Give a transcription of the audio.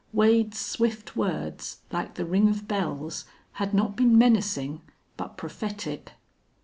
Wade's swift words, like the ring of bells, had not been menacing, but prophetic.